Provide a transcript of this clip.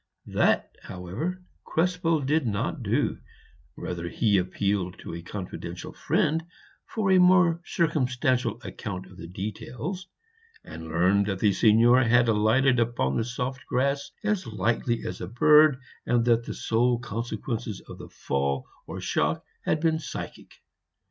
That, however, Krespel did not do; rather he appealed to a confidential friend for a more circumstantial account of the details, and learned that the Signora had alighted upon the soft grass as lightly as a bird, and that the sole consequences of the fall or shock had been psychic.